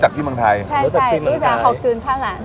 ช่วยเท่านั้น